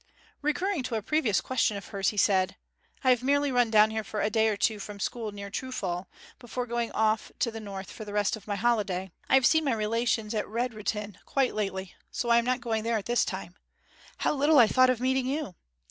Recurring to a previous question of hers he said, 'I have merely run down here for a day or two from school near Trufal, before going off to the north for the rest of my holiday. I have seen my relations at Redrutin quite lately, so I am not going there this time. How little I thought of meeting you!